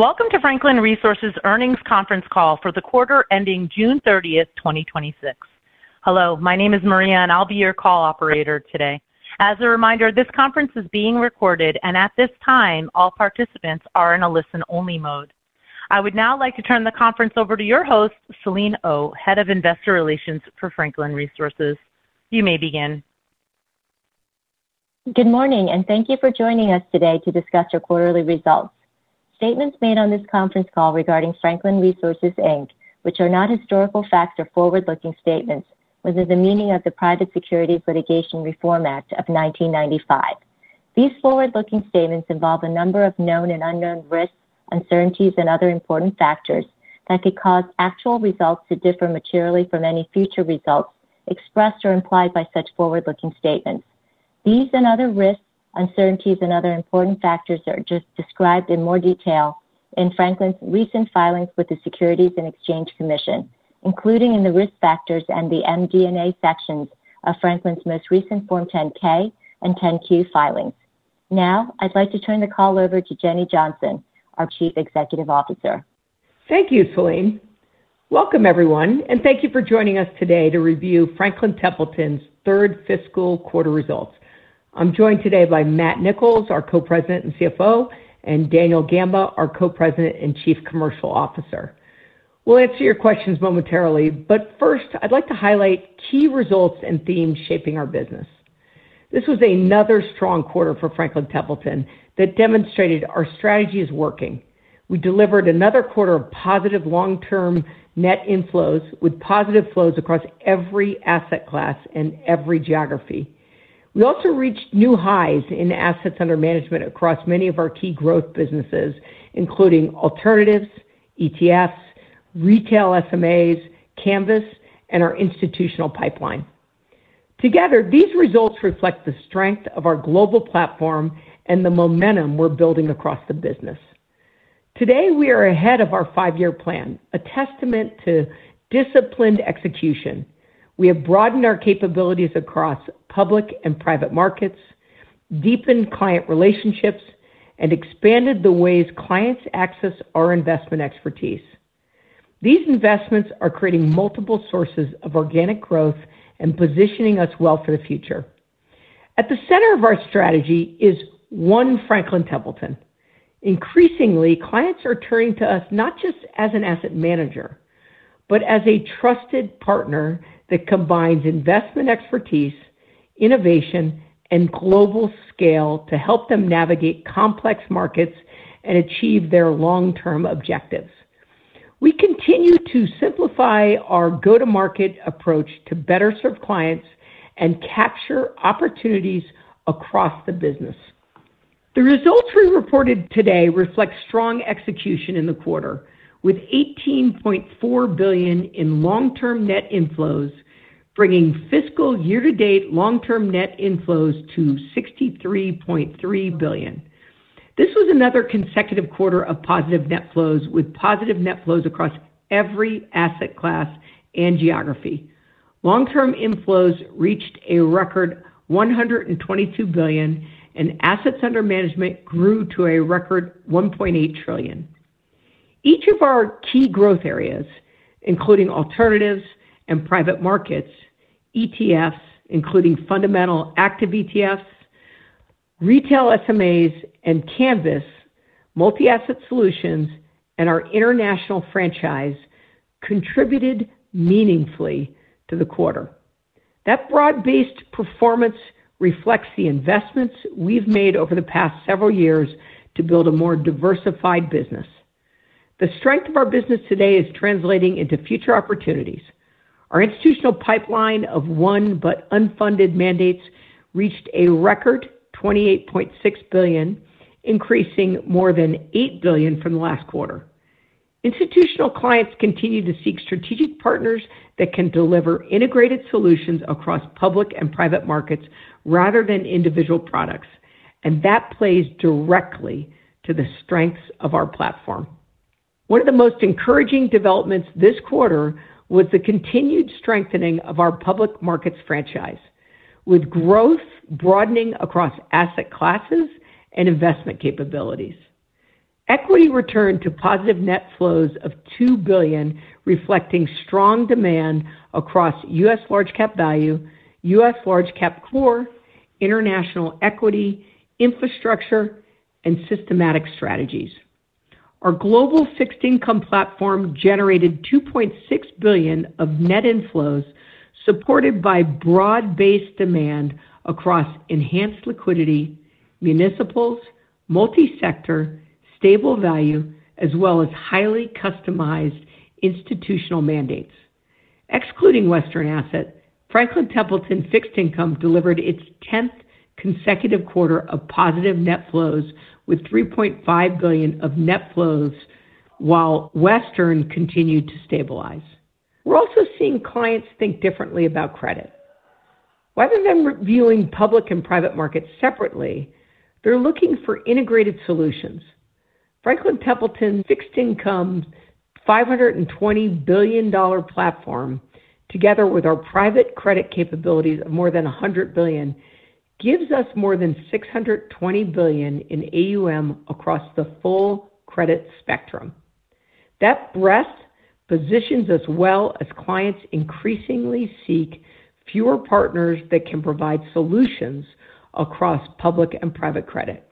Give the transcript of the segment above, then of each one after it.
Welcome to Franklin Resources' earnings conference call for the quarter ending June 30th, 2026. Hello, my name is Maria and I'll be your call operator today. As a reminder, this conference is being recorded and at this time all participants are in a listen-only mode. I would now like to turn the conference over to your host, Selene Oh, Head of Investor Relations for Franklin Resources. You may begin. Thank you for joining us today to discuss our quarterly results. Statements made on this conference call regarding Franklin Resources, Inc., which are not historical facts or forward-looking statements within the meaning of the Private Securities Litigation Reform Act of 1995. These forward-looking statements involve a number of known and unknown risks, uncertainties and other important factors that could cause actual results to differ materially from any future results expressed or implied by such forward-looking statements. These and other risks, uncertainties and other important factors are described in more detail in Franklin's recent filings with the Securities and Exchange Commission, including in the risk factors and the MD&A sections of Franklin's most recent Form 10-K and 10-Q filings. Now I'd like to turn the call over to Jenny Johnson, our Chief Executive Officer. Thank you, Selene. Welcome everyone, thank you for joining us today to review Franklin Templeton's third fiscal quarter results. I'm joined today by Matt Nicholls, our Co-President and CFO, and Daniel Gamba, our Co-President and Chief Commercial Officer. We'll answer your questions momentarily, First I'd like to highlight key results and themes shaping our business. This was another strong quarter for Franklin Templeton that demonstrated our strategy is working. We delivered another quarter of positive long-term net inflows with positive flows across every asset class and every geography. We also reached new highs in assets under management across many of our key growth businesses, including alternatives, ETFs, retail SMAs, Canvas, and our institutional pipeline. Together, these results reflect the strength of our global platform and the momentum we're building across the business. Today we are ahead of our five-year plan, a testament to disciplined execution. We have broadened our capabilities across public and private markets, deepened client relationships and expanded the ways clients access our investment expertise. These investments are creating multiple sources of organic growth and positioning us well for the future. At the center of our strategy is one Franklin Templeton. Increasingly, clients are turning to us not just as an asset manager, but as a trusted partner that combines investment expertise, innovation and global scale to help them navigate complex markets and achieve their long-term objectives. We continue to simplify our go-to-market approach to better serve clients and capture opportunities across the business. The results we reported today reflect strong execution in the quarter, with $18.4 billion in long-term net inflows, bringing fiscal year-to-date long-term net inflows to $63.3 billion. This was another consecutive quarter of positive net flows with positive net flows across every asset class and geography. Long-term inflows reached a record $122 billion and assets under management grew to a record $1.8 trillion. Each of our key growth areas, including alternatives and private markets, ETFs including fundamental active ETFs, retail SMAs and Canvas, multi-asset solutions and our international franchise contributed meaningfully to the quarter. That broad-based performance reflects the investments we've made over the past several years to build a more diversified business. The strength of our business today is translating into future opportunities. Our institutional pipeline of won but unfunded mandates reached a record $28.6 billion, increasing more than $8 billion from last quarter. Institutional clients continue to seek strategic partners that can deliver integrated solutions across public and private markets rather than individual products. That plays directly to the strengths of our platform. One of the most encouraging developments this quarter was the continued strengthening of our public markets franchise, with growth broadening across asset classes and investment capabilities. Equity returned to positive net flows of $2 billion, reflecting strong demand across U.S. large cap value, U.S. large cap core, international equity, infrastructure and systematic strategies. Our global fixed income platform generated $2.6 billion of net inflows supported by broad-based demand across enhanced liquidity, municipals, multi-sector, stable value as well as highly customized institutional mandates. Excluding Western Asset, Franklin Templeton Fixed Income delivered its tenth consecutive quarter of positive net flows with $3.5 billion of net flows while Western continued to stabilize. We're also seeing clients think differently about credit. Rather than viewing public and private markets separately, they're looking for integrated solutions. Franklin Templeton Fixed Income $520 billion platform together with our private credit capabilities of more than $100 billion gives us more than $620 billion in AUM across the full credit spectrum. That breadth positions us well as clients increasingly seek fewer partners that can provide solutions across public and private credit.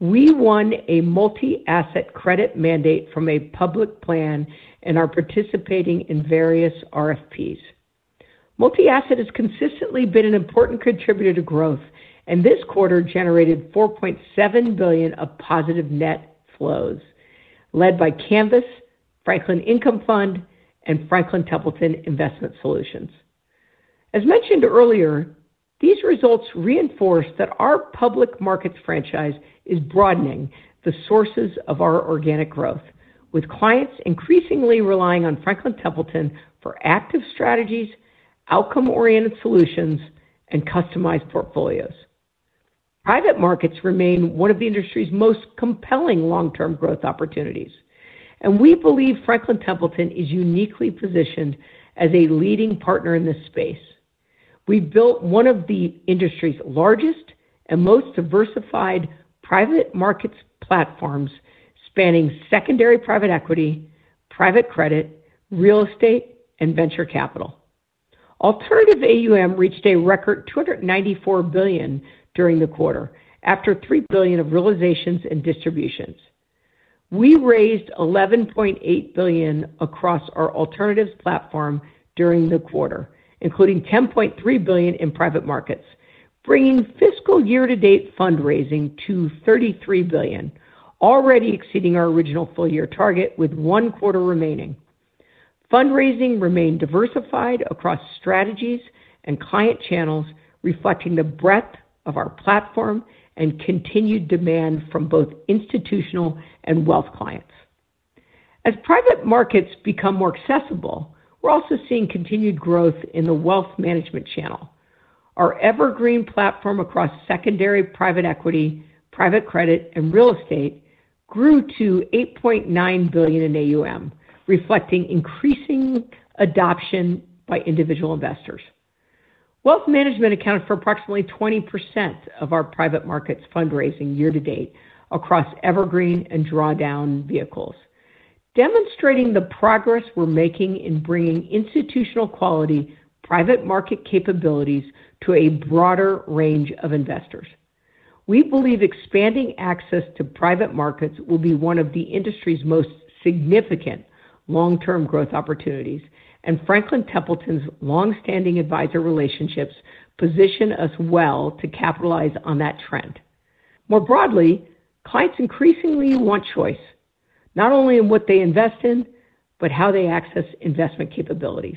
We won a multi-asset credit mandate from a public plan and are participating in various RFPs. This quarter generated $4.7 billion of positive net flows led by Canvas, Franklin Income Fund, and Franklin Templeton Investment Solutions. As mentioned earlier, these results reinforce that our public markets franchise is broadening the sources of our organic growth with clients increasingly relying on Franklin Templeton for active strategies, outcome-oriented solutions, and customized portfolios. Private markets remain one of the industry's most compelling long-term growth opportunities. We believe Franklin Templeton is uniquely positioned as a leading partner in this space. We've built one of the industry's largest and most diversified private markets platforms spanning secondary private equity, private credit, real estate, and venture capital. Alternative AUM reached a record $294 billion during the quarter after $3 billion of realizations and distributions. We raised $11.8 billion across our alternatives platform during the quarter, including $10.3 billion in private markets, bringing fiscal year-to-date fundraising to $33 billion, already exceeding our original full-year target with one quarter remaining. Fundraising remained diversified across strategies and client channels, reflecting the breadth of our platform and continued demand from both institutional and wealth clients. As private markets become more accessible, we're also seeing continued growth in the wealth management channel. Our Evergreen platform across secondary private equity, private credit, and real estate grew to $8.9 billion in AUM, reflecting increasing adoption by individual investors. Wealth management accounted for approximately 20% of our private markets fundraising year-to-date across Evergreen and drawdown vehicles. Demonstrating the progress we're making in bringing institutional-quality private market capabilities to a broader range of investors. We believe expanding access to private markets will be one of the industry's most significant long-term growth opportunities, and Franklin Templeton's longstanding advisor relationships position us well to capitalize on that trend. More broadly, clients increasingly want choice, not only in what they invest in, but how they access investment capabilities.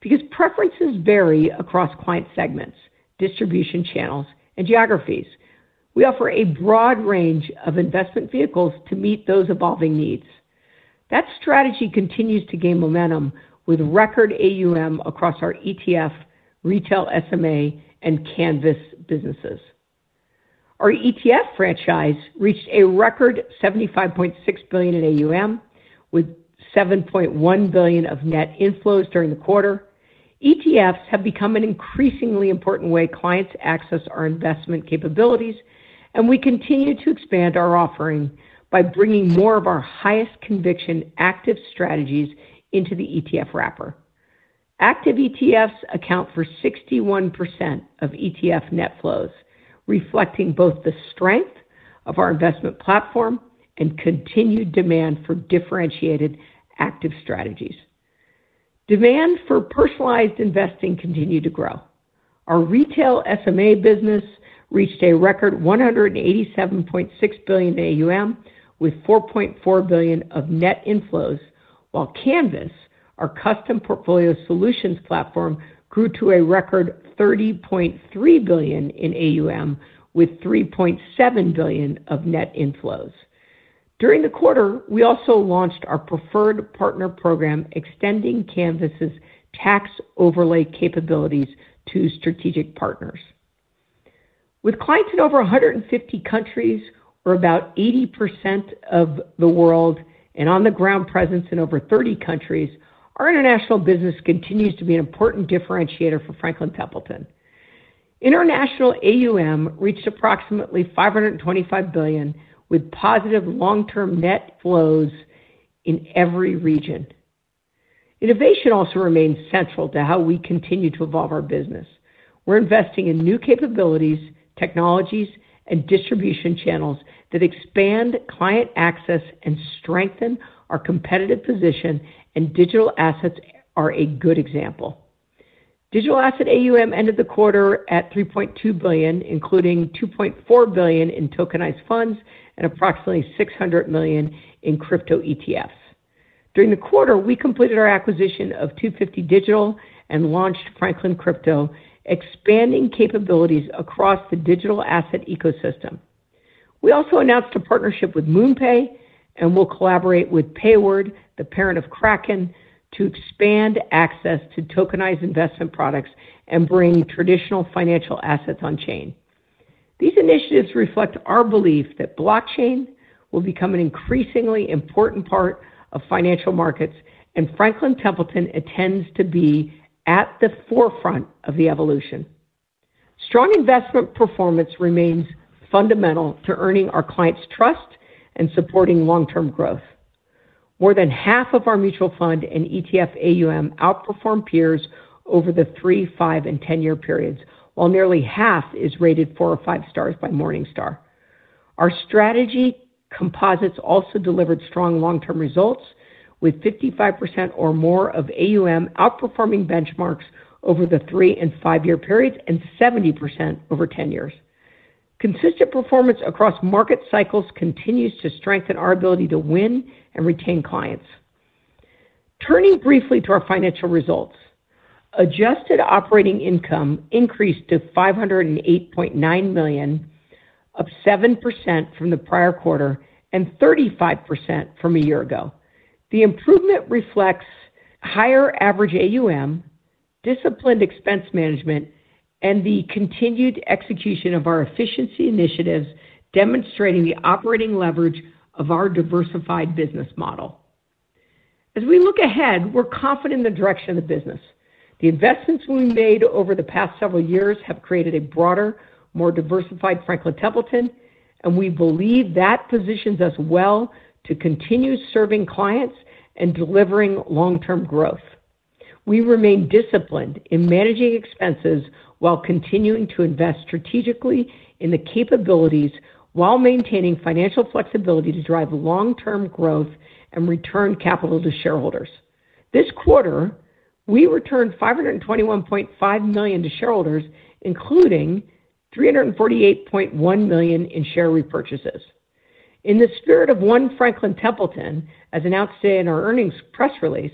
Because preferences vary across client segments, distribution channels, and geographies we offer a broad range of investment vehicles to meet those evolving needs. That strategy continues to gain momentum with record AUM across our ETF, retail SMA, and Canvas businesses. Our ETF franchise reached a record $75.6 billion in AUM with $7.1 billion of net inflows during the quarter. ETFs have become an increasingly important way clients access our investment capabilities, and we continue to expand our offering by bringing more of our highest conviction active strategies into the ETF wrapper. Active ETFs account for 61% of ETF net flows, reflecting both the strength of our investment platform and continued demand for differentiated active strategies. Demand for personalized investing continued to grow. Our retail SMA business reached a record $187.6 billion in AUM with $4.4 billion of net inflows, while Canvas, our custom portfolio solutions platform, grew to a record $30.3 billion in AUM with $3.7 billion of net inflows. During the quarter, we also launched our preferred partner program extending Canvas's tax overlay capabilities to strategic partners. With clients in over 150 countries, or about 80% of the world, and on-the-ground presence in over 30 countries, our international business continues to be an important differentiator for Franklin Templeton. International AUM reached approximately $525 billion with positive long-term net flows in every region. Innovation also remains central to how we continue to evolve our business. We're investing in new capabilities, technologies, and distribution channels that expand client access and strengthen our competitive position. Digital assets are a good example. Digital asset AUM ended the quarter at $3.2 billion, including $2.4 billion in tokenized funds and approximately $600 million in crypto ETFs. During the quarter, we completed our acquisition of 250 Digital and launched Franklin Crypto, expanding capabilities across the digital asset ecosystem. We also announced a partnership with MoonPay and will collaborate with Payward, the parent of Kraken, to expand access to tokenized investment products and bring traditional financial assets on chain. These initiatives reflect our belief that blockchain will become an increasingly important part of financial markets. Franklin Templeton intends to be at the forefront of the evolution. Strong investment performance remains fundamental to earning our clients' trust and supporting long-term growth. More than half of our mutual fund and ETF AUM outperformed peers over the three, five, and 10-year periods, while nearly half is rated four or five stars by Morningstar. Our strategy composites also delivered strong long-term results with 55% or more of AUM outperforming benchmarks over the three and five-year periods, and 70% over 10 years. Consistent performance across market cycles continues to strengthen our ability to win and retain clients. Turning briefly to our financial results. Adjusted operating income increased to $508.9 million, up 7% from the prior quarter and 35% from a year ago. The improvement reflects higher average AUM, disciplined expense management, and the continued execution of our efficiency initiatives, demonstrating the operating leverage of our diversified business model. As we look ahead, we're confident in the direction of the business. The investments we made over the past several years have created a broader, more diversified Franklin Templeton, and we believe that positions us well to continue serving clients and delivering long-term growth. We remain disciplined in managing expenses while continuing to invest strategically in the capabilities, while maintaining financial flexibility to drive long-term growth and return capital to shareholders. This quarter, we returned $521.5 million to shareholders, including $348.1 million in share repurchases. In the spirit of one Franklin Templeton, as announced today in our earnings press release,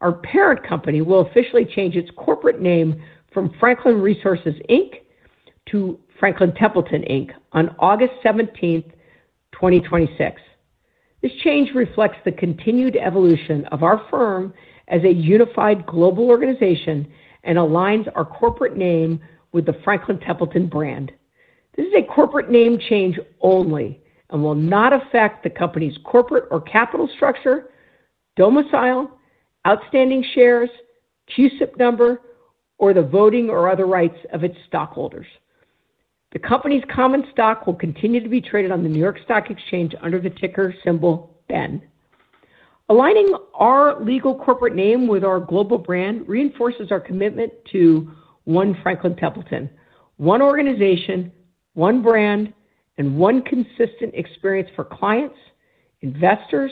our parent company will officially change its corporate name from Franklin Resources, Inc. to Franklin Templeton, Inc. on August 17th, 2026. This change reflects the continued evolution of our firm as a unified global organization and aligns our corporate name with the Franklin Templeton brand. This is a corporate name change only and will not affect the company's corporate or capital structure, domicile, outstanding shares, CUSIP number, or the voting or other rights of its stockholders. The company's common stock will continue to be traded on the New York Stock Exchange under the ticker symbol BEN. Aligning our legal corporate name with our global brand reinforces our commitment to one Franklin Templeton, one organization, one brand, and one consistent experience for clients, investors,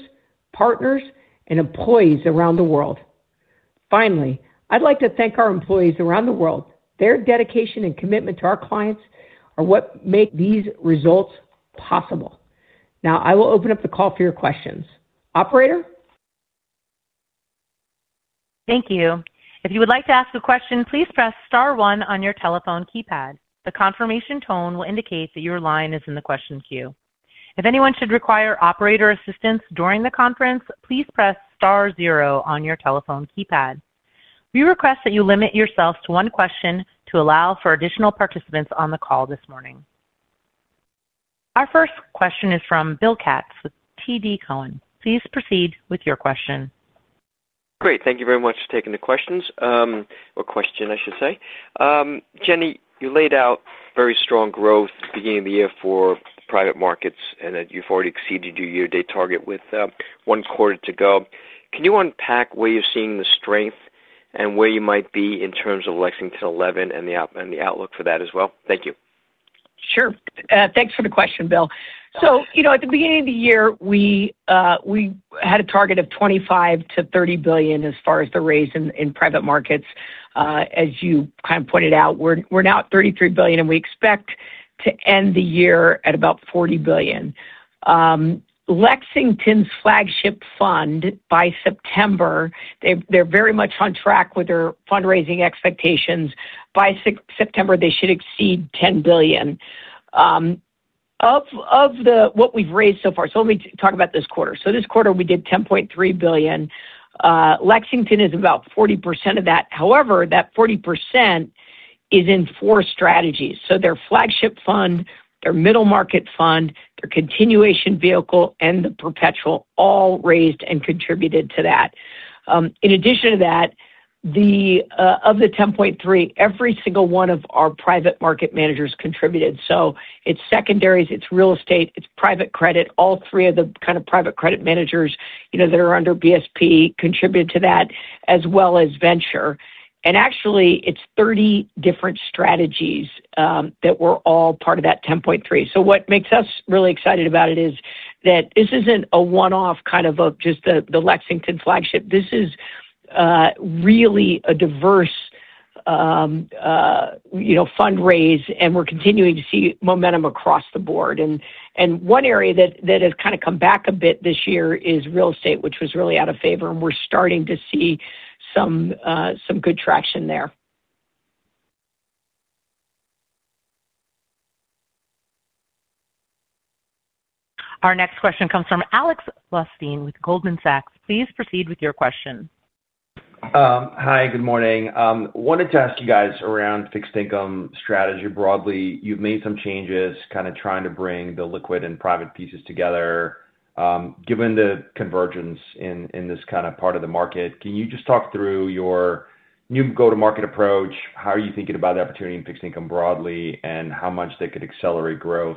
partners, and employees around the world. Finally, I'd like to thank our employees around the world. Their dedication and commitment to our clients are what make these results possible. Now, I will open up the call for your questions. Operator? Thank you. If you would like to ask a question, please press star one on your telephone keypad. The confirmation tone will indicate that your line is in the question queue. If anyone should require operator assistance during the conference, please press star zero on your telephone keypad. We request that you limit yourself to one question to allow for additional participants on the call this morning. Our first question is from Bill Katz with TD Cowen. Please proceed with your question. Great. Thank you very much for taking the questions, or question, I should say. Jenny, you laid out very strong growth at the beginning of the year for private markets and that you've already exceeded your year-to-date target with one quarter to go. Can you unpack where you're seeing the strength and where you might be in terms of Lexington 11 and the outlook for that as well? Thank you. Sure. Thanks for the question, Bill. At the beginning of the year, we had a target of $25 billion-$30 billion as far as the raise in private markets. As you kind of pointed out, we're now at $33 billion, and we expect to end the year at about $40 billion. Lexington's flagship fund, by September, they're very much on track with their fundraising expectations. By September, they should exceed $10 billion. Of what we've raised so far, let me talk about this quarter. This quarter, we did $10.3 billion. Lexington is about 40% of that. However, that 40% is in four strategies. Their flagship fund, their middle market fund, their continuation vehicle, and the perpetual all raised and contributed to that. In addition to that, of the 10.3, every single one of our private market managers contributed. It's secondaries, it's real estate, it's private credit. All three of the kind of private credit managers that are under BSP contributed to that, as well as venture. Actually, it's 30 different strategies that were all part of that 10.3. What makes us really excited about it is that this isn't a one-off kind of just the Lexington flagship. This is really a diverse fundraise, and we're continuing to see momentum across the board. One area that has kind of come back a bit this year is real estate, which was really out of favor, and we're starting to see some good traction there. Our next question comes from Alex Blostein with Goldman Sachs. Please proceed with your question. Hi, good morning. I wanted to ask you guys around fixed income strategy broadly. You've made some changes, kind of trying to bring the liquid and private pieces together. Given the convergence in this kind of part of the market, can you just talk through your new go-to-market approach? How are you thinking about the opportunity in fixed income broadly, and how much that could accelerate growth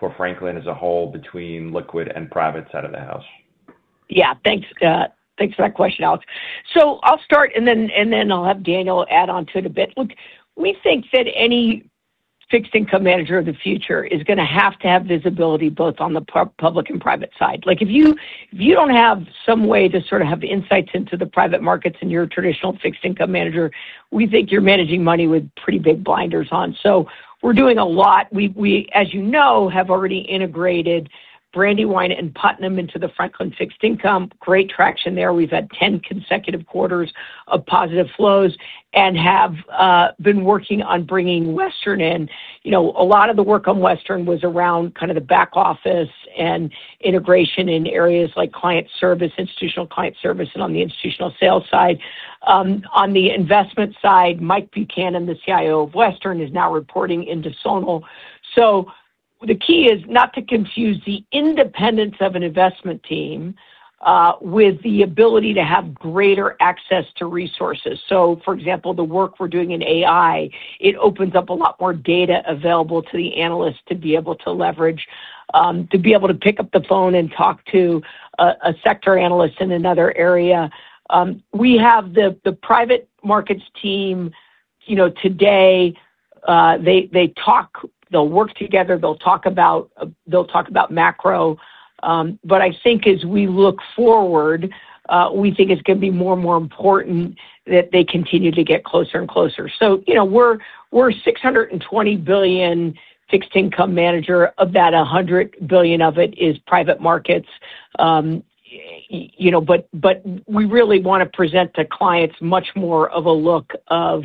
for Franklin as a whole between liquid and private side of the house? Yeah. Thanks for that question, Alex. I'll start, and then I'll have Daniel add onto it a bit. Look, we think that any fixed income manager of the future is going to have to have visibility both on the public and private side. If you don't have some way to sort of have insights into the private markets and you're a traditional fixed income manager, we think you're managing money with pretty big blinders on. We're doing a lot. We, as you know, have already integrated Brandywine and Putnam into the Franklin Fixed Income. Great traction there. We've had 10 consecutive quarters of positive flows and have been working on bringing Western in. A lot of the work on Western was around the back office and integration in areas like client service, institutional client service, and on the institutional sales side. On the investment side, Mike Buchanan, the CIO of Western, is now reporting into Sonal. The key is not to confuse the independence of an investment team with the ability to have greater access to resources. For example, the work we're doing in AI, it opens up a lot more data available to the analyst to be able to leverage, to be able to pick up the phone and talk to a sector analyst in another area. We have the private markets team today. They'll work together, they'll talk about macro. I think as we look forward, we think it's going to be more and more important that they continue to get closer and closer. We're a $620 billion fixed income manager. About $100 billion of it is private markets. We really want to present the clients much more of a look of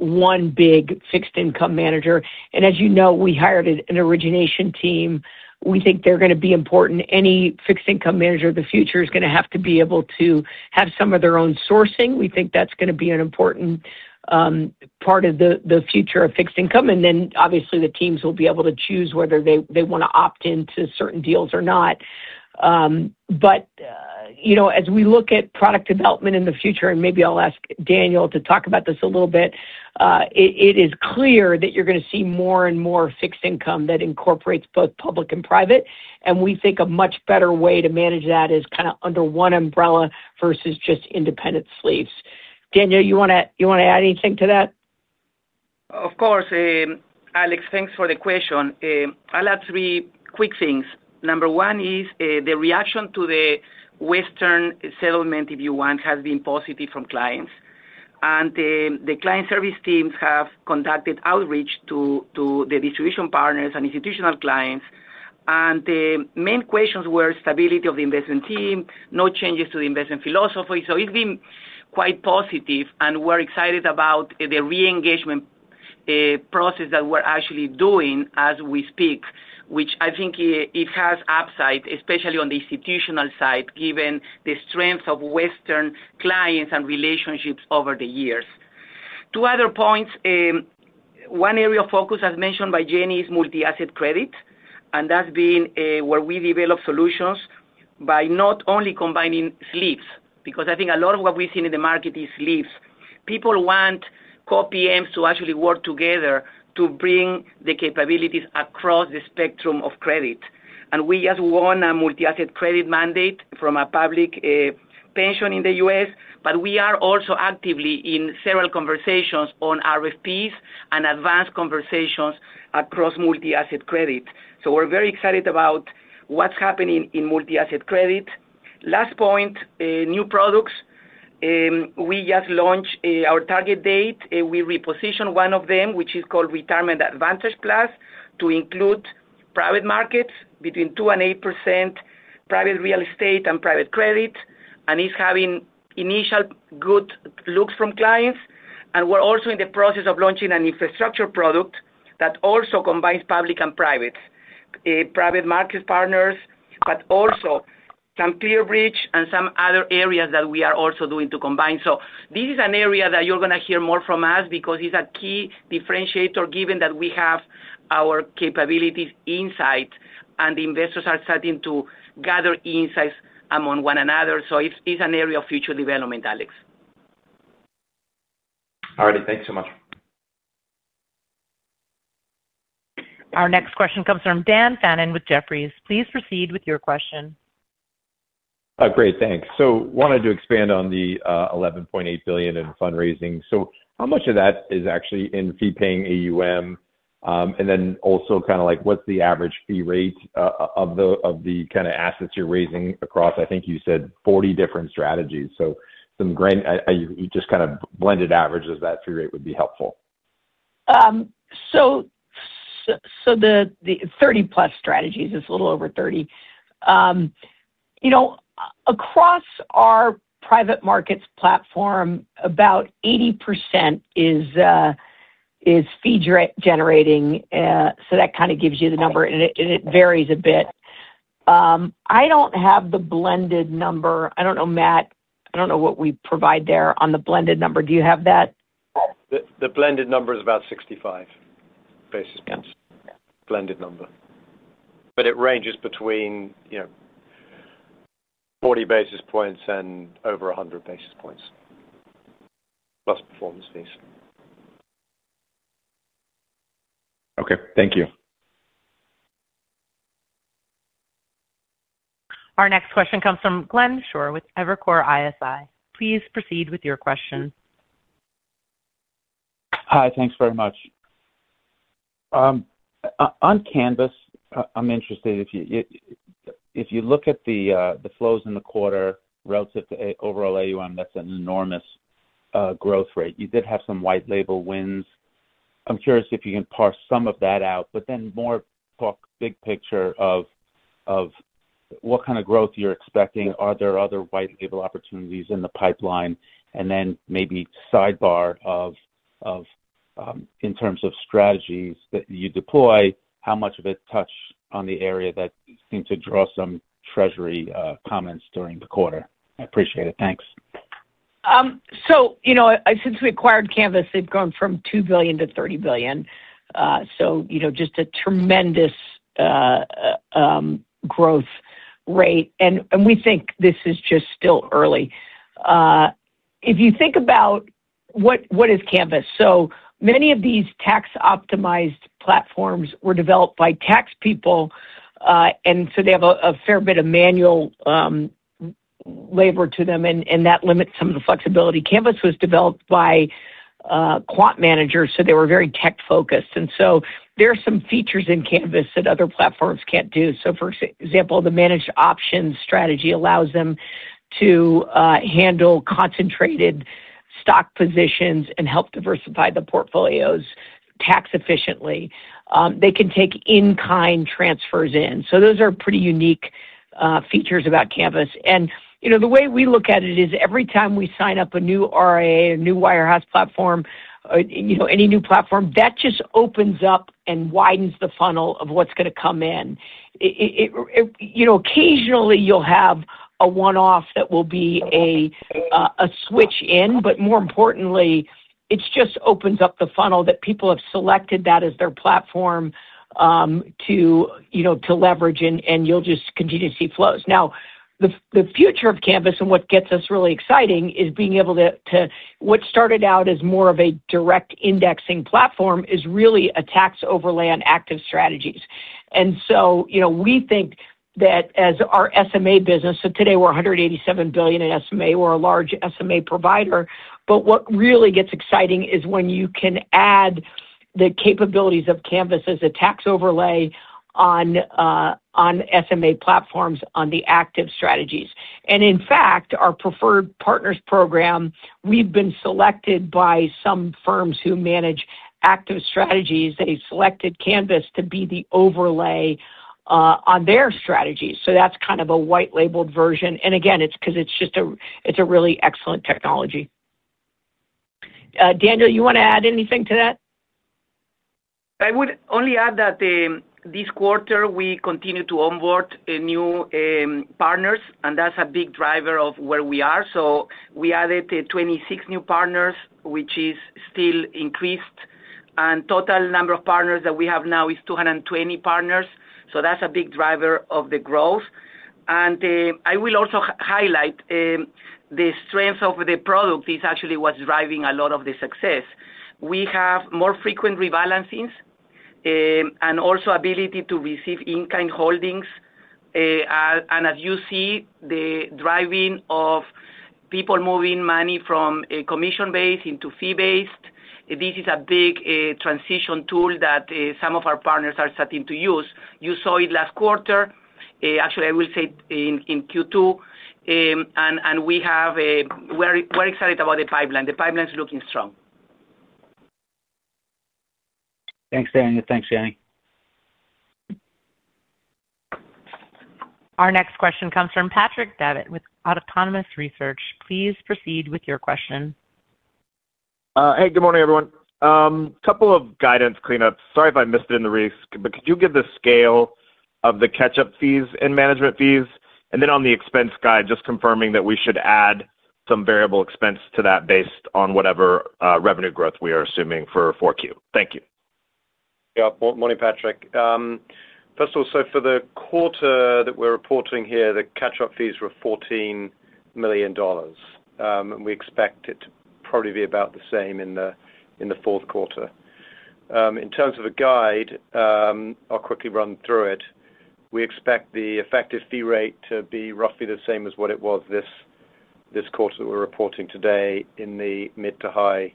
one big fixed income manager. As you know, we hired an origination team. We think they're going to be important. Any fixed income manager of the future is going to have to be able to have some of their own sourcing. We think that's going to be an important part of the future of fixed income. Obviously, the teams will be able to choose whether they want to opt into certain deals or not. As we look at product development in the future, and maybe I'll ask Daniel to talk about this a little bit, it is clear that you're going to see more and more fixed income that incorporates both public and private. We think a much better way to manage that is kind of under one umbrella versus just independent sleeves. Daniel, you want to add anything to that? Of course. Alex, thanks for the question. I'll add three quick things. Number one is the reaction to the Western Asset settlement, if you want, has been positive from clients. The client service teams have conducted outreach to the distribution partners and institutional clients. The main questions were stability of the investment team, no changes to the investment philosophy. It's been quite positive, and we're excited about the re-engagement process that we're actually doing as we speak, which I think it has upside, especially on the institutional side, given the strength of Western Asset clients and relationships over the years. Two other points. One area of focus, as mentioned by Jenny, is multi-asset credit, and that's been where we develop solutions by not only combining sleeves, because I think a lot of what we've seen in the market is sleeves. People want co-PMs to actually work together to bring the capabilities across the spectrum of credit. We just won a multi-asset credit mandate from a public pension in the U.S., but we are also actively in several conversations on RFPs and advanced conversations across multi-asset credit. We're very excited about what's happening in multi-asset credit. Last point, new products. We just launched our target date. We repositioned one of them, which is called Retirement Advantage Plus, to include private markets between 2%-8%, private real estate and private credit. It's having initial good looks from clients. We're also in the process of launching an infrastructure product that also combines public and private. Private market partners, but also some ClearBridge and some other areas that we are also doing to combine. This is an area that you're going to hear more from us because it's a key differentiator given that we have our capabilities insight and the investors are starting to gather insights among one another. It's an area of future development, Alex. All right. Thanks so much. Our next question comes from Dan Fannon with Jefferies. Please proceed with your question. Great. Thanks. Wanted to expand on the $11.8 billion in fundraising. How much of that is actually in fee-paying AUM? What's the average fee rate of the kind of assets you're raising across, I think you said 40 different strategies. Just kind of blended average of that fee rate would be helpful. 30+ strategies. It's a little over 30. Across our private markets platform, about 80% is fee generating. That kind of gives you the number, and it varies a bit. I don't have the blended number. I don't know, Matt, I don't know what we provide there on the blended number. Do you have that? The blended number is about 65 basis points. Yeah. Blended number. It ranges between 40 basis points and over 100 basis points, plus performance fees. Okay. Thank you. Our next question comes from Glenn Schorr with Evercore ISI. Please proceed with your question. Hi. Thanks very much. On Canvas, I'm interested, if you look at the flows in the quarter relative to overall AUM, that's an enormous growth rate. You did have some white label wins. I'm curious if you can parse some of that out, more talk big picture of what kind of growth you're expecting. Are there other white label opportunities in the pipeline? Maybe sidebar of, in terms of strategies that you deploy, how much of it touch on the area that seemed to draw some Treasury comments during the quarter. I appreciate it. Thanks. Since we acquired Canvas, they've gone from $2 billion-$30 billion. Just a tremendous growth rate. We think this is just still early. If you think about what is Canvas? Many of these tax-optimized platforms were developed by tax people, they have a fair bit of manual labor to them, that limits some of the flexibility. Canvas was developed by quant managers, they were very tech-focused. There are some features in Canvas that other platforms can't do. For example, the managed options strategy allows them to handle concentrated stock positions and help diversify the portfolios tax efficiently. They can take in-kind transfers in. Those are pretty unique features about Canvas. The way we look at it is every time we sign up a new RIA, a new wire house platform, any new platform, that just opens up and widens the funnel of what's going to come in. Occasionally you'll have a one-off that will be a switch in, more importantly, it just opens up the funnel that people have selected that as their platform to leverage, and you'll just continue to see flows. Now, the future of Canvas and what gets us really exciting is being able to What started out as more of a direct indexing platform is really a tax overlay on active strategies. We think that as our SMA business, today we're $187 billion in SMA. We're a large SMA provider. What really gets exciting is when you can add the capabilities of Canvas as a tax overlay on SMA platforms on the active strategies. In fact, our preferred partners program, we've been selected by some firms who manage active strategies. They selected Canvas to be the overlay on their strategies. That's kind of a white labeled version. Again, it's because it's a really excellent technology. Daniel, you want to add anything to that? I would only add that this quarter we continue to onboard new partners. That's a big driver of where we are. We added 26 new partners, which is still increased. Total number of partners that we have now is 220 partners. That's a big driver of the growth. I will also highlight the strength of the product is actually what's driving a lot of the success. We have more frequent rebalancings and also ability to receive in-kind holdings. As you see, the driving of people moving money from commission-based into fee-based, this is a big transition tool that some of our partners are starting to use. You saw it last quarter. Actually, I will say in Q2. We're excited about the pipeline. The pipeline's looking strong. Thanks, Daniel. Thanks, Jenny. Our next question comes from Patrick Davitt with Autonomous Research. Please proceed with your question. Hey, good morning, everyone. Couple of guidance cleanups. Sorry if I missed it in the release, could you give the scale of the catch-up fees and management fees? Then on the expense guide, just confirming that we should add some variable expense to that based on whatever revenue growth we are assuming for 4Q. Thank you. Morning, Patrick. First of all, for the quarter that we're reporting here, the catch-up fees were $14 million. We expect it to probably be about the same in the fourth quarter. In terms of a guide, I'll quickly run through it. We expect the effective fee rate to be roughly the same as what it was this quarter we're reporting today in the mid to high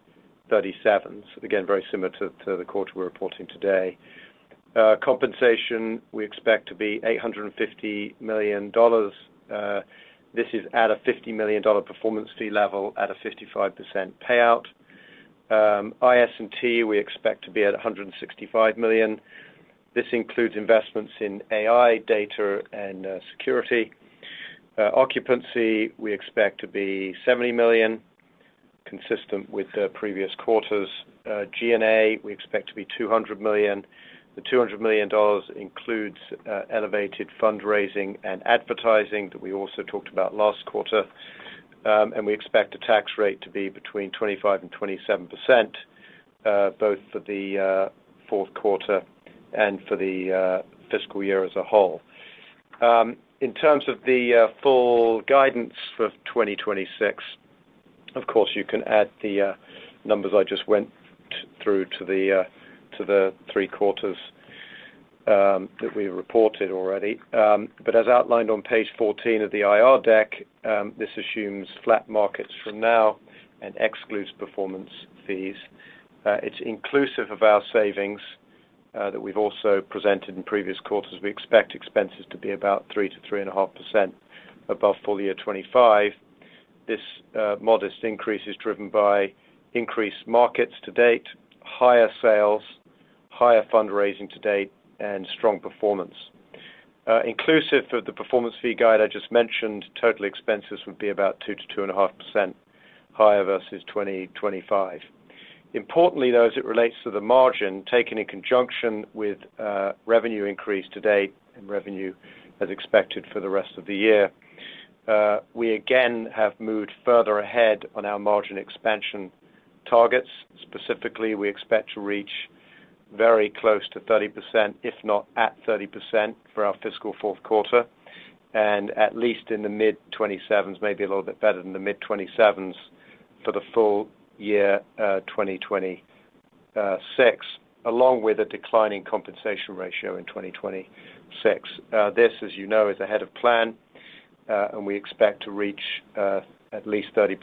37s. Again, very similar to the quarter we're reporting today. Compensation, we expect to be $850 million. This is at a $50 million performance fee level at a 55% payout. IS&T, we expect to be at $165 million. This includes investments in AI, data, and security. Occupancy, we expect to be $70 million, consistent with the previous quarters. G&A, we expect to be $200 million. The $200 million includes elevated fundraising and advertising that we also talked about last quarter. We expect the tax rate to be between 25% and 27%, both for the fourth quarter and for the fiscal year as a whole. In terms of the full guidance for 2026, of course, you can add the numbers I just went through to the three quarters that we reported already. As outlined on page 14 of the IR deck, this assumes flat markets from now and excludes performance fees. It's inclusive of our savings that we've also presented in previous quarters. We expect expenses to be about 3%-3.5% above full year 2025. This modest increase is driven by increased markets to date, higher sales, higher fundraising to date, and strong performance. Inclusive of the performance fee guide I just mentioned, total expenses would be about 2%-2.5% higher versus 2025. Importantly, though, as it relates to the margin, taken in conjunction with revenue increase to date and revenue as expected for the rest of the year, we again have moved further ahead on our margin expansion targets. Specifically, we expect to reach very close to 30%, if not at 30%, for our fiscal fourth quarter, and at least in the mid 27s, maybe a little bit better than the mid 27s for the full year 2026, along with a declining compensation ratio in 2026. This, as you know, is ahead of plan, we expect to reach at least 30%,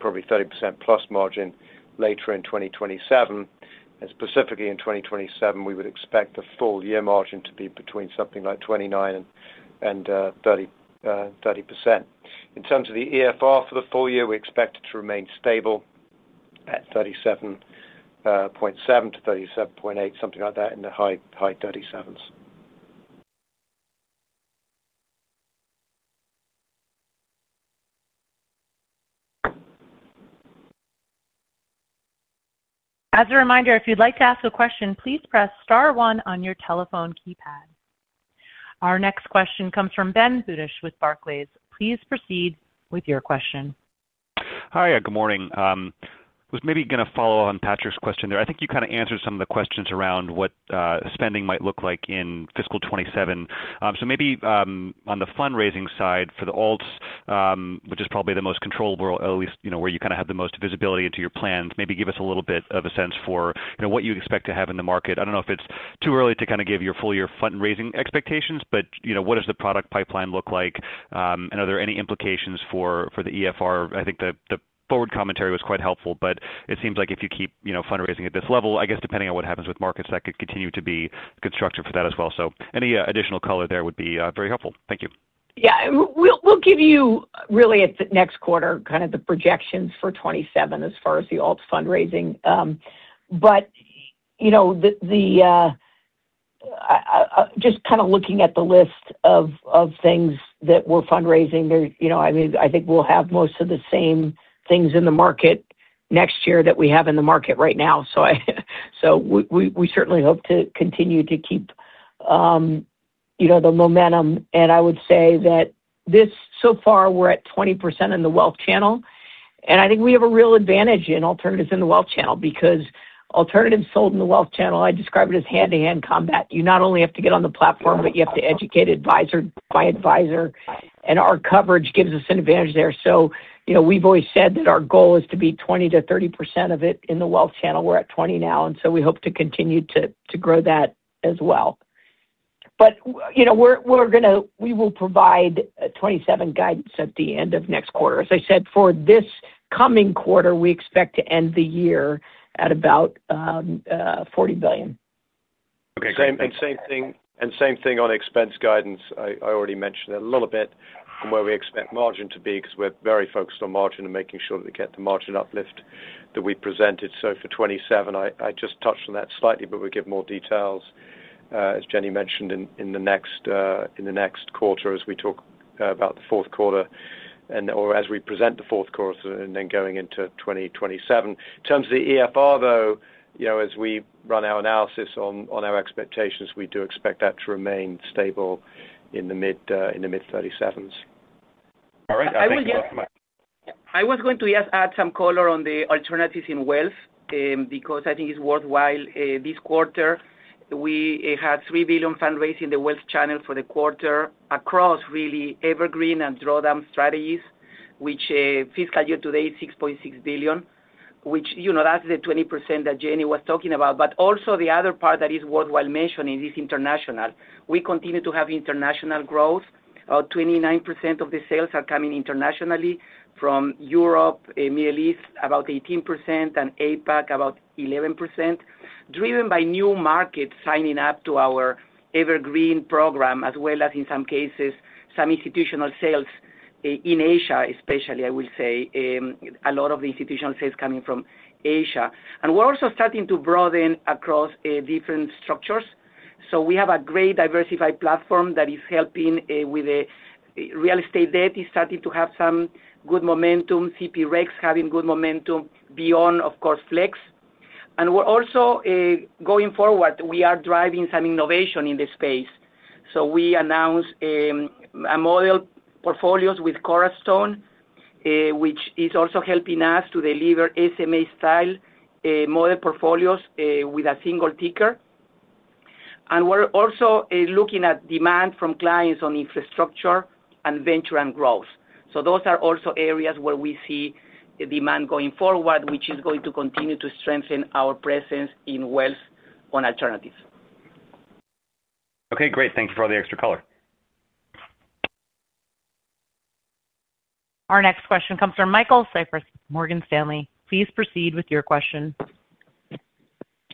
probably 30%+ margin later in 2027. Specifically in 2027, we would expect the full year margin to be between something like 29% and 30%. In terms of the EFR for the full year, we expect it to remain stable at 37.7%-37.8%, something like that in the high 37s. As a reminder, if you'd like to ask a question, please press star one on your telephone keypad. Our next question comes from Ben Budish with Barclays. Please proceed with your question. Hi. Good morning. Was maybe going to follow on Patrick's question there. I think you kind of answered some of the questions around what spending might look like in fiscal 2027. Maybe on the fundraising side for the alts, which is probably the most controllable, at least where you have the most visibility into your plans. Maybe give us a little bit of a sense for what you expect to have in the market. I don't know if it's too early to give your full year fundraising expectations, but what does the product pipeline look like? Are there any implications for the EFR? I think the forward commentary was quite helpful, but it seems like if you keep fundraising at this level, I guess depending on what happens with markets, that could continue to be constructive for that as well. Any additional color there would be very helpful. Thank you. Yeah. We'll give you really at the next quarter, kind of the projections for 2027 as far as the alts fundraising. Just kind of looking at the list of things that we're fundraising there, I think we'll have most of the same things in the market next year that we have in the market right now. We certainly hope to continue to keep the momentum. I would say that so far we're at 20% in the wealth channel. I think we have a real advantage in alternatives in the wealth channel because alternatives sold in the wealth channel, I describe it as hand-to-hand combat. You not only have to get on the platform, but you have to educate advisor by advisor. Our coverage gives us an advantage there. We've always said that our goal is to be 20%-30% of it in the wealth channel. We're at 20% now, we hope to continue to grow that as well. We will provide a 2027 guidance at the end of next quarter. As I said, for this coming quarter, we expect to end the year at about $40 billion. Same thing on expense guidance. I already mentioned it a little bit from where we expect margin to be because we're very focused on margin and making sure that we get the margin uplift that we presented. For 2027, I just touched on that slightly, but we'll give more details, as Jenny mentioned, in the next quarter as we talk about the fourth quarter or as we present the fourth quarter and then going into 2027. In terms of the EFR, though, as we run our analysis on our expectations, we do expect that to remain stable in the mid 37s. All right. Thank you. I will get— I was going to just add some color on the alternatives in wealth because I think it's worthwhile this quarter. We had $3 billion fundraising the wealth channel for the quarter across really evergreen and drawdown strategies, which fiscal year to date, $6.6 billion, which that's the 20% that Jenny was talking about. The other part that is worthwhile mentioning is international. We continue to have international growth. 29% of the sales are coming internationally from Europe, Middle East about 18%, and APAC about 11%, driven by new markets signing up to our evergreen program, as well as in some cases, some institutional sales in Asia especially, I will say. A lot of the institutional sales coming from Asia. We're also starting to broaden across different structures. We have a great diversified platform that is helping with real estate debt. It's starting to have some good momentum. CP RECs having good momentum beyond, of course, Flex. We're also going forward, we are driving some innovation in this space. We announced a model portfolios with Cornerstone, which is also helping us to deliver SMA style model portfolios with a single ticker. We're also looking at demand from clients on infrastructure and venture and growth. Those are also areas where we see demand going forward, which is going to continue to strengthen our presence in wealth on alternatives. Okay, great. Thank you for all the extra color. Our next question comes from Michael Cyprys, Morgan Stanley. Please proceed with your question.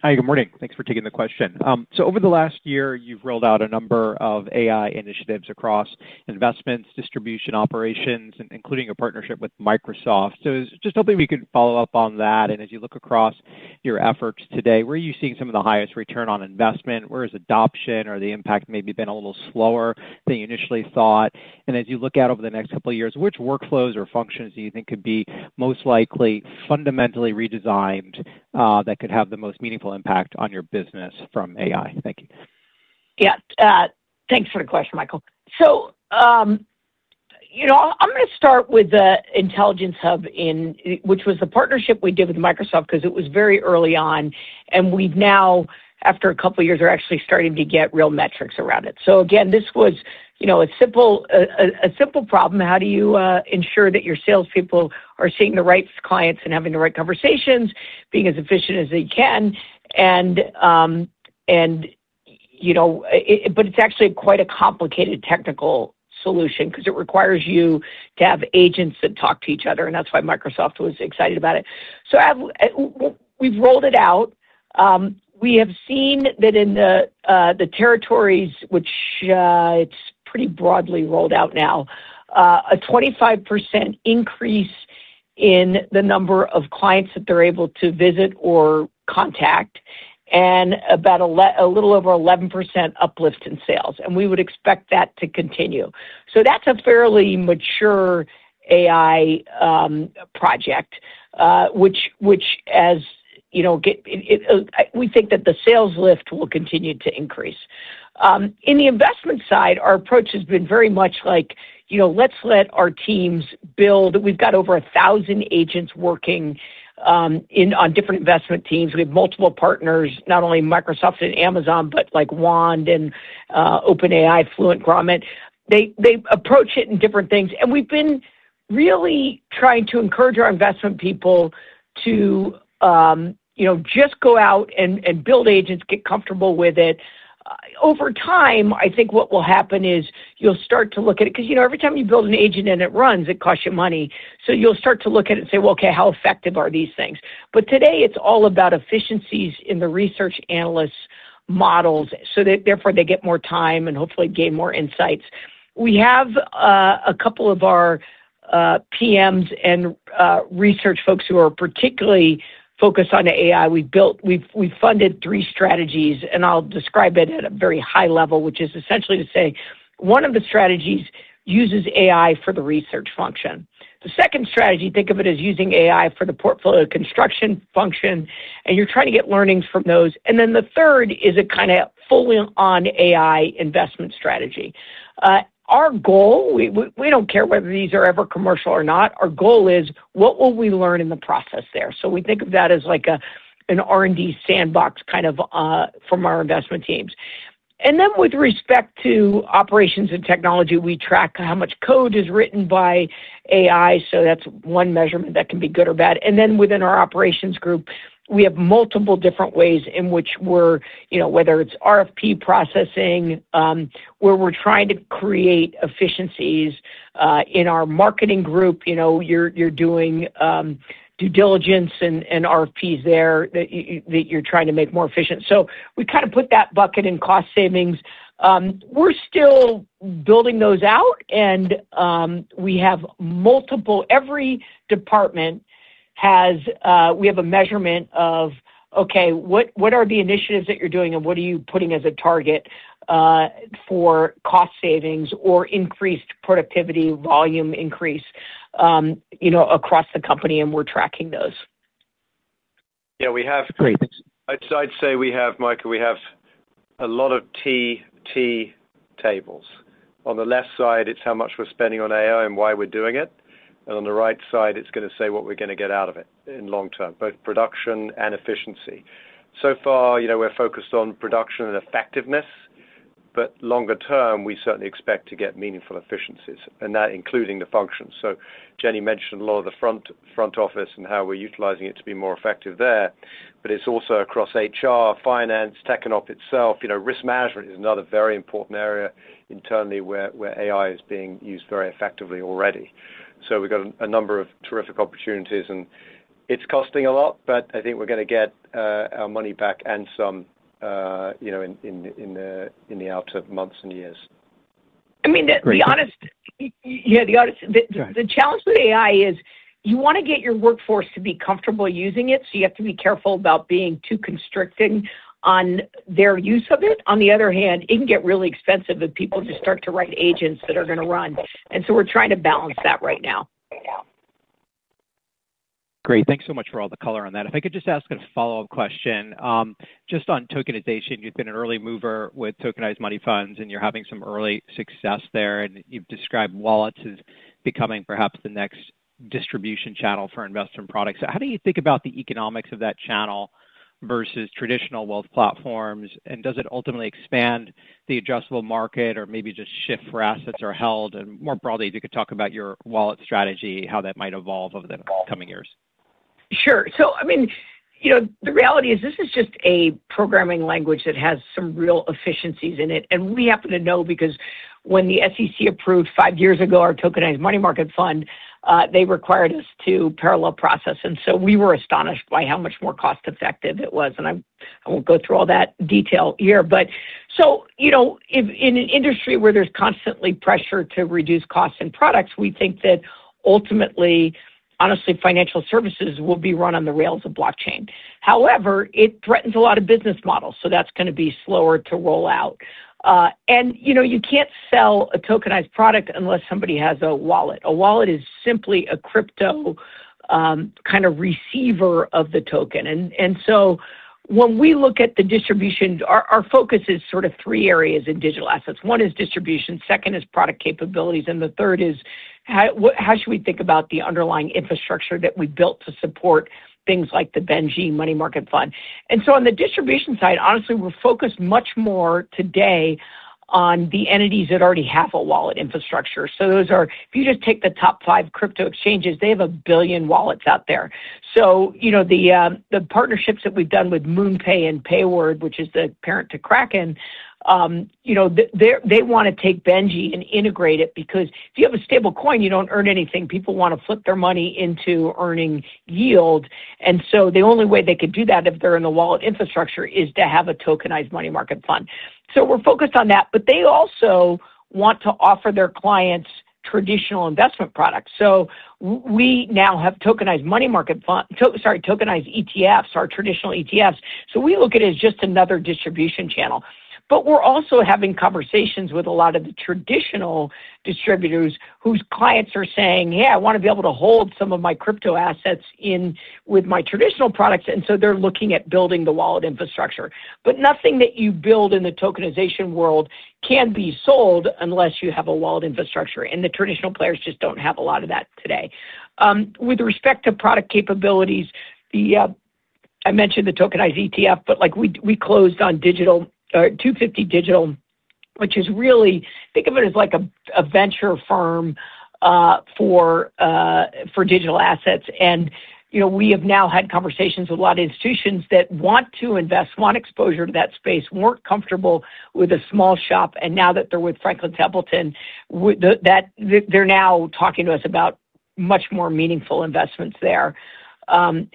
Hi, good morning. Thanks for taking the question. Over the last year, you've rolled out a number of AI initiatives across investments, distribution operations, including a partnership with Microsoft. I was just hoping we could follow up on that. As you look across your efforts today, where are you seeing some of the highest return on investment? Where is adoption or the impact maybe been a little slower than you initially thought? As you look out over the next couple of years, which workflows or functions do you think could be most likely fundamentally redesigned that could have the most meaningful impact on your business from AI? Thank you. Thanks for the question, Michael. I'm going to start with the Intelligence Hub which was the partnership we did with Microsoft because it was very early on, and we've now, after a couple of years, are actually starting to get real metrics around it. Again, this was a simple problem. How do you ensure that your salespeople are seeing the right clients and having the right conversations, being as efficient as they can? It's actually quite a complicated technical solution because it requires you to have agents that talk to each other, and that's why Microsoft was excited about it. We've rolled it out. We have seen that in the territories, which it's pretty broadly rolled out now, a 25% increase in the number of clients that they're able to visit or contact, and about a little over 11% uplift in sales. We would expect that to continue. That's a fairly mature AI project which as you know, we think that the sales lift will continue to increase. In the investment side, our approach has been very much like let's let our teams build. We've got over 1,000 agents working on different investment teams. We have multiple partners, not only Microsoft and Amazon, but like Wand and OpenAI, Fluent UI, Grommet. They approach it in different things. We've been really trying to encourage our investment people to just go out and build agents, get comfortable with it. Over time, I think what will happen is you'll start to look at it because every time you build an agent and it runs, it costs you money. You'll start to look at it and say, "Well, okay, how effective are these things?" Today, it's all about efficiencies in the research analysts' models, so therefore they get more time and hopefully gain more insights. We have a couple of our PMs and research folks who are particularly focused on the AI. We've funded three strategies, I'll describe it at a very high level, which is essentially to say one of the strategies uses AI for the research function. The second strategy, think of it as using AI for the portfolio construction function, and you're trying to get learnings from those. The third is a kind of fully on AI investment strategy. Our goal, we don't care whether these are ever commercial or not. Our goal is what will we learn in the process there? We think of that as like an R&D sandbox from our investment teams. With respect to operations and technology, we track how much code is written by AI, so that is one measurement that can be good or bad. Within our operations group, we have multiple different ways in which, whether it is RFP processing, where we are trying to create efficiencies in our marketing group. You are doing due diligence and RFPs there that you are trying to make more efficient. We kind of put that bucket in cost savings. We are still building those out, and we have multiple. Every department we have a measurement of, okay, what are the initiatives that you are doing and what are you putting as a target for cost savings or increased productivity, volume increase across the company? We are tracking those. Yeah, we have. Great, thanks. I would say, Michael, we have a lot of T-tables. On the left side, it is how much we are spending on AI and why we are doing it, and on the right side, it is going to say what we are going to get out of it in long term, both production and efficiency. So far, we are focused on production and effectiveness, but longer term, we certainly expect to get meaningful efficiencies, and that including the function. Jenny mentioned a lot of the front office and how we are utilizing it to be more effective there. It is also across HR, finance, IS&T itself. Risk management is another very important area internally where AI is being used very effectively already. We have got a number of terrific opportunities, and it is costing a lot, but I think we are going to get our money back and some in the outer months and years. The honest- Right. Yeah. Sure. The challenge with AI is you want to get your workforce to be comfortable using it, so you have to be careful about being too constricting on their use of it. On the other hand, it can get really expensive if people just start to write agents that are going to run. We're trying to balance that right now. Great. Thanks so much for all the color on that. If I could just ask a follow-up question, just on tokenization. You've been an early mover with tokenized money funds, and you're having some early success there, and you've described wallets as becoming perhaps the next distribution channel for investment products. How do you think about the economics of that channel versus traditional wealth platforms, and does it ultimately expand the addressable market or maybe just shift where assets are held? More broadly, if you could talk about your wallet strategy, how that might evolve over the coming years. Sure. The reality is this is just a programming language that has some real efficiencies in it. We happen to know because when the SEC approved five years ago our tokenized money market fund, they required us to parallel process. We were astonished by how much more cost-effective it was. I won't go through all that detail here, but in an industry where there's constantly pressure to reduce costs and products, we think that ultimately, honestly, financial services will be run on the rails of blockchain. However, it threatens a lot of business models, that's going to be slower to roll out. You can't sell a tokenized product unless somebody has a wallet. A wallet is simply a crypto kind of receiver of the token. When we look at the distribution, our focus is sort of three areas in digital assets. One is distribution, second is product capabilities, and the third is how should we think about the underlying infrastructure that we built to support things like the BENJI Money Market Fund? On the distribution side, honestly, we're focused much more today on the entities that already have a wallet infrastructure. Those are, if you just take the top five crypto exchanges, they have 1 billion wallets out there. The partnerships that we've done with MoonPay and Payward, which is the parent to Kraken, they want to take BENJI and integrate it, because if you have a stablecoin, you don't earn anything. People want to flip their money into earning yield. The only way they could do that if they're in the wallet infrastructure is to have a tokenized money market fund. We're focused on that. They also want to offer their clients traditional investment products. We now have tokenized money market fund-- sorry, tokenized ETFs, our traditional ETFs. We look at it as just another distribution channel. We're also having conversations with a lot of the traditional distributors whose clients are saying, "Yeah, I want to be able to hold some of my crypto assets in with my traditional products." They're looking at building the wallet infrastructure. Nothing that you build in the tokenization world can be sold unless you have a wallet infrastructure. The traditional players just don't have a lot of that today. With respect to product capabilities, I mentioned the tokenized ETF, we closed on 250 Digital, which is really, think of it as like a venture firm for digital assets. We have now had conversations with a lot of institutions that want to invest, want exposure to that space, weren't comfortable with a small shop. Now that they're with Franklin Templeton, they're now talking to us about much more meaningful investments there.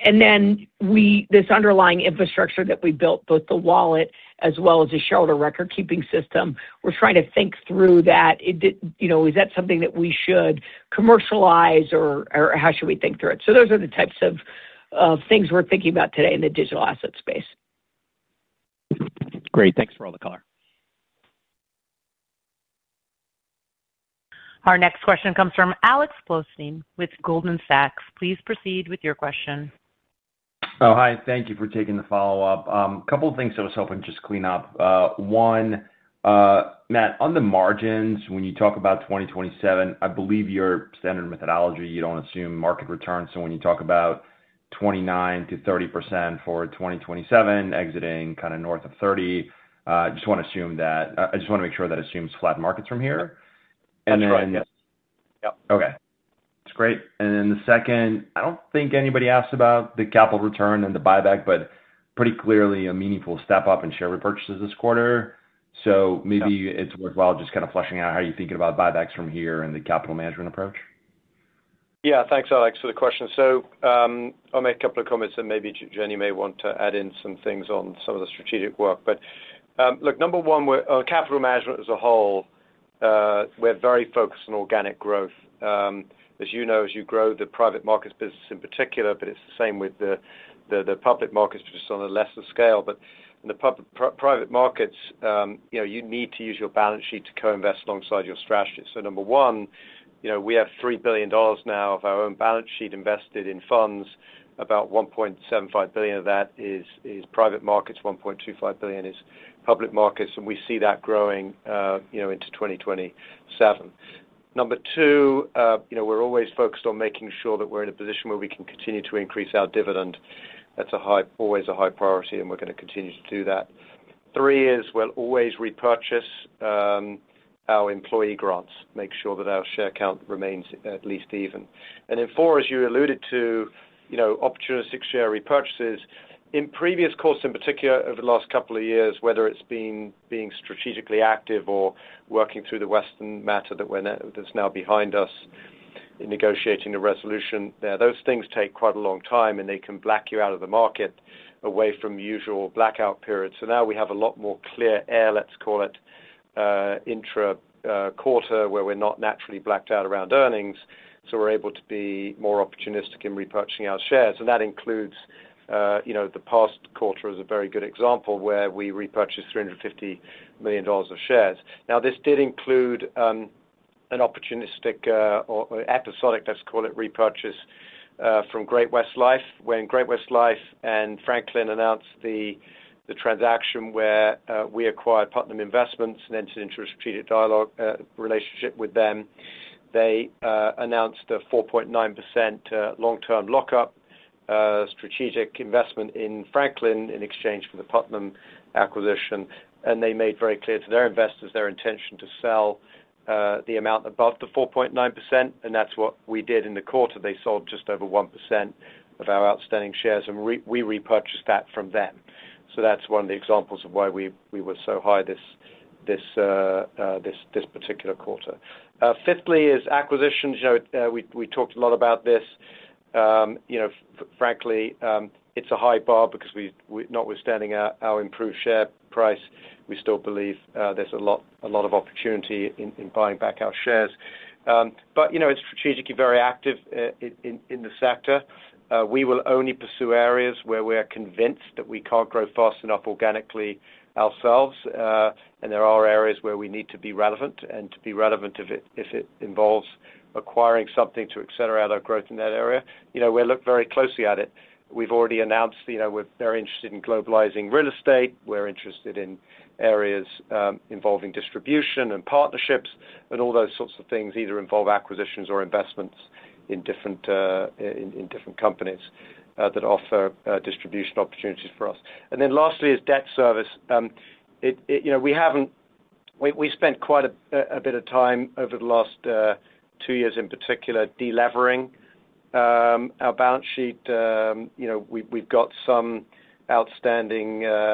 This underlying infrastructure that we built, both the wallet as well as the shareholder record-keeping system, we're trying to think through that. Is that something that we should commercialize or how should we think through it? Those are the types of things we're thinking about today in the digital asset space. Great. Thanks for all the color. Our next question comes from Alex Blostein with Goldman Sachs. Please proceed with your question. Hi. Thank you for taking the follow-up. Couple of things I was hoping just clean up. One, Matt, on the margins, when you talk about 2027, I believe your standard methodology, you don't assume market returns. When you talk about 29%-30% for 2027, exiting kind of north of 30, I just want to make sure that assumes flat markets from here. That's right. Yes. Yep. Okay. That's great. The second, I don't think anybody asked about the capital return and the buyback, pretty clearly a meaningful step up in share repurchases this quarter. Maybe it's worthwhile just kind of fleshing out how you're thinking about buybacks from here and the capital management approach. Yeah. Thanks, Alex, for the question. I'll make a couple of comments and maybe Jenny may want to add in some things on some of the strategic work. Look, number one, capital management as a whole, we're very focused on organic growth. As you know, as you grow the private markets business in particular, it's the same with the public markets business on a lesser scale. In the private markets, you need to use your balance sheet to co-invest alongside your strategies. Number one, we have $3 billion now of our own balance sheet invested in funds. About $1.75 billion of that is private markets, $1.25 billion is public markets, and we see that growing into 2027. Number two, we're always focused on making sure that we're in a position where we can continue to increase our dividend. That's always a high priority and we're going to continue to do that. Three is we'll always repurchase our employee grants, make sure that our share count remains at least even. Four, as you alluded to, opportunistic share repurchases. In previous course, in particular over the last couple of years, whether it's being strategically active or working through the Western matter that's now behind us. In negotiating the resolution there, those things take quite a long time, they can black you out of the market away from usual blackout periods. Now we have a lot more clear air, let's call it, intra-quarter where we're not naturally blacked out around earnings, we're able to be more opportunistic in repurchasing our shares. That includes the past quarter as a very good example where we repurchased $350 million of shares. This did include an opportunistic or episodic, let's call it, repurchase from Great-West Lifeco. When Great-West Lifeco and Franklin announced the transaction where we acquired Putnam Investments and entered into a strategic dialogue relationship with them. They announced a 4.9% long-term lockup strategic investment in Franklin in exchange for the Putnam acquisition, they made very clear to their investors their intention to sell the amount above the 4.9%, and that's what we did in the quarter. They sold just over 1% of our outstanding shares, and we repurchased that from them. That's one of the examples of why we were so high this particular quarter. Fifthly is acquisitions. We talked a lot about this. Frankly, it's a high bar because notwithstanding our improved share price, we still believe there's a lot of opportunity in buying back our shares. It's strategically very active in the sector. We will only pursue areas where we are convinced that we can't grow fast enough organically ourselves. There are areas where we need to be relevant. To be relevant, if it involves acquiring something to accelerate our growth in that area, we'll look very closely at it. We've already announced we're very interested in globalizing real estate. We're interested in areas involving distribution and partnerships, and all those sorts of things either involve acquisitions or investments in different companies that offer distribution opportunities for us. Then lastly is debt service. We spent quite a bit of time over the last two years, in particular, de-levering our balance sheet. We've got some outstanding on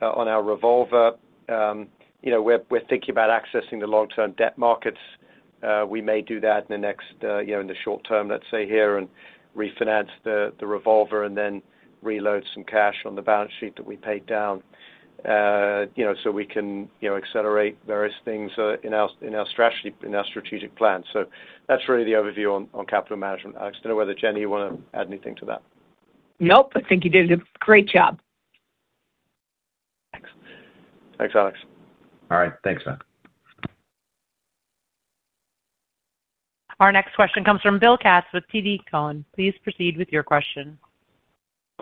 our revolver. We're thinking about accessing the long-term debt markets. We may do that in the short term, let's say here, and refinance the revolver and then reload some cash on the balance sheet that we paid down so we can accelerate various things in our strategic plan. That's really the overview on capital management. Alex, don't know whether, Jenny, you want to add anything to that. Nope, I think you did a great job. Thanks. Thanks, Alex. All right. Thanks, Matt. Our next question comes from Bill Katz with TD Cowen. Please proceed with your question.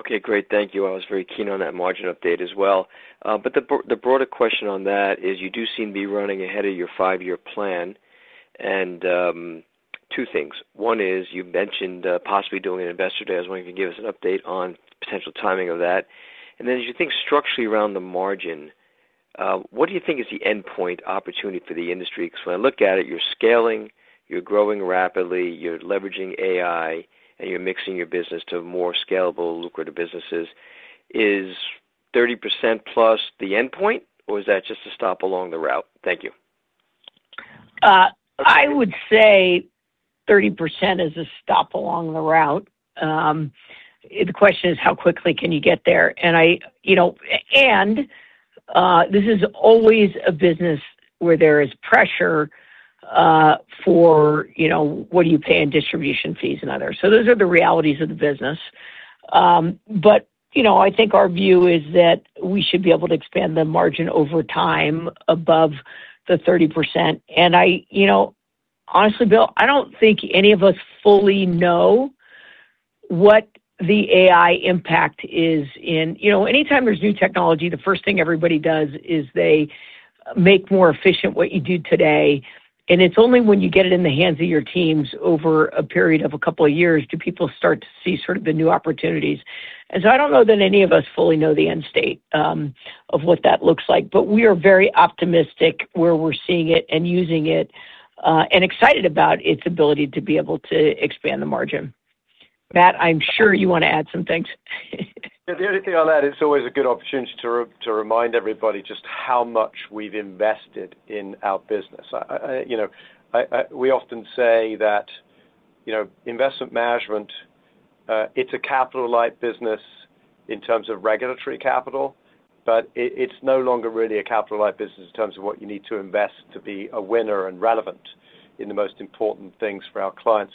Okay, great. Thank you. I was very keen on that margin update as well. The broader question on that is you do seem to be running ahead of your five-year plan. Two things. One is you mentioned possibly doing an investor day. I was wondering if you can give us an update on potential timing of that. Then as you think structurally around the margin, what do you think is the endpoint opportunity for the industry? When I look at it, you're scaling, you're growing rapidly, you're leveraging AI, and you're mixing your business to more scalable, lucrative businesses. Is 30%+ the endpoint, or is that just a stop along the route? Thank you. I would say 30% is a stop along the route. The question is how quickly can you get there? This is always a business where there is pressure for what are you paying distribution fees and others. Those are the realities of the business. I think our view is that we should be able to expand the margin over time above the 30%. Honestly, Bill, I don't think any of us fully know what the AI impact is. Anytime there's new technology, the first thing everybody does is they make more efficient what you do today. It's only when you get it in the hands of your teams over a period of a couple of years, do people start to see sort of the new opportunities. I don't know that any of us fully know the end state of what that looks like. We are very optimistic where we're seeing it and using it, and excited about its ability to be able to expand the margin. Matt, I'm sure you want to add some things. The only thing I'll add, it's always a good opportunity to remind everybody just how much we've invested in our business. We often say that investment management, it's a capital-light business in terms of regulatory capital. It's no longer really a capital-light business in terms of what you need to invest to be a winner and relevant in the most important things for our clients.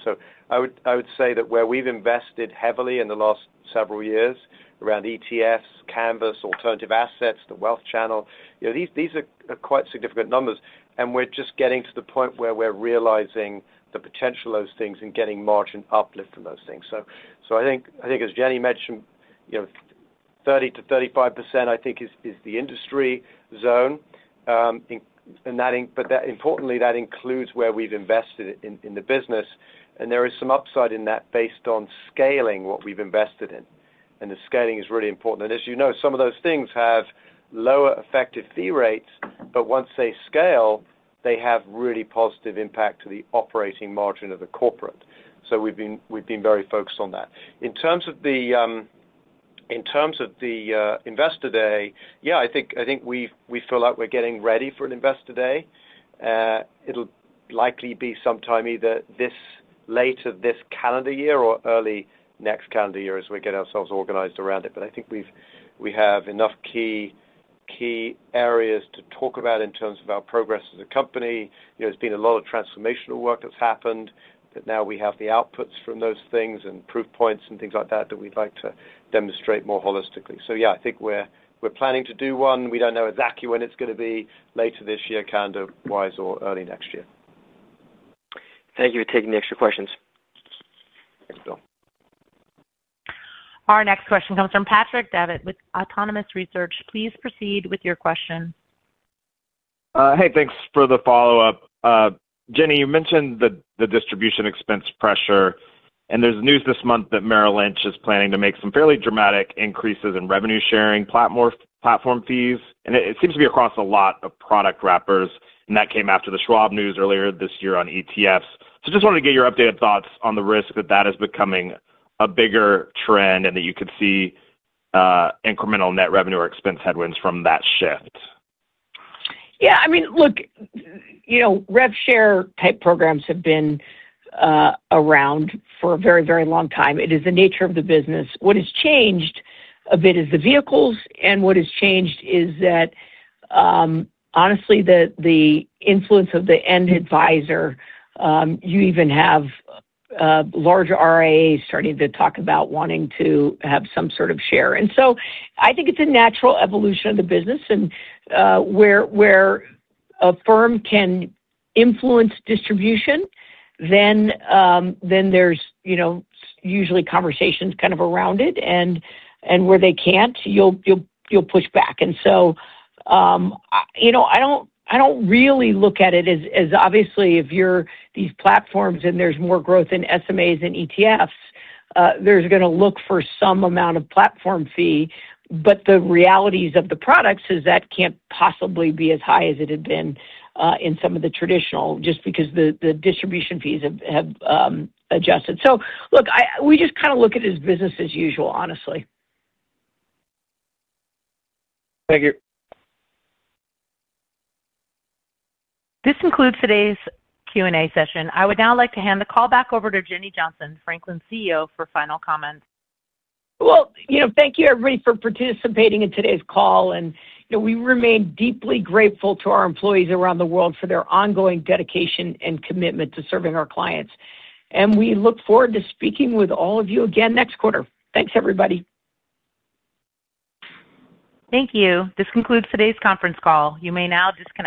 I would say that where we've invested heavily in the last several years around ETFs, Canvas, alternative assets, the wealth channel, these are quite significant numbers, and we're just getting to the point where we're realizing the potential of those things and getting margin uplift on those things. I think as Jenny mentioned, 30%-35%, I think, is the industry zone. Importantly, that includes where we've invested in the business, and there is some upside in that based on scaling what we've invested in. The scaling is really important. As you know, some of those things have lower effective fee rates, but once they scale, they have really positive impact to the operating margin of the corporate. We've been very focused on that. In terms of the Investor Day, yeah, I think we feel like we're getting ready for an Investor Day. It'll likely be sometime either later this calendar year or early next calendar year as we get ourselves organized around it. I think we have enough key areas to talk about in terms of our progress as a company. There's been a lot of transformational work that's happened, that now we have the outputs from those things and proof points and things like that we'd like to demonstrate more holistically. Yeah, I think we're planning to do one. We don't know exactly when it's going to be later this year, calendar-wise, or early next year. Thank you for taking the extra questions. Thanks, Bill. Our next question comes from Patrick Davitt with Autonomous Research. Please proceed with your question. Hey, thanks for the follow-up. Jenny, you mentioned the distribution expense pressure. There's news this month that Merrill Lynch is planning to make some fairly dramatic increases in revenue sharing platform fees. It seems to be across a lot of product wrappers. That came after the Schwab news earlier this year on ETFs. Just wanted to get your updated thoughts on the risk that that is becoming a bigger trend and that you could see incremental net revenue or expense headwinds from that shift. Yeah, look, rev share type programs have been around for a very, very long time. It is the nature of the business. What has changed a bit is the vehicles. What has changed is that honestly the influence of the end advisor. You even have larger RIAs starting to talk about wanting to have some sort of share. I think it's a natural evolution of the business and where a firm can influence distribution, then there's usually conversations kind of around it, and where they can't, you'll push back. I don't really look at it as obviously if you're these platforms and there's more growth in SMAs than ETFs, there's going to look for some amount of platform fee. The realities of the products is that can't possibly be as high as it had been in some of the traditional just because the distribution fees have adjusted. Look, we just kind of look at it as business as usual, honestly. Thank you. This concludes today's Q&A session. I would now like to hand the call back over to Jenny Johnson, Franklin's CEO, for final comments. Well, thank you everybody for participating in today's call, we remain deeply grateful to our employees around the world for their ongoing dedication and commitment to serving our clients. We look forward to speaking with all of you again next quarter. Thanks, everybody. Thank you. This concludes today's conference call. You may now disconnect.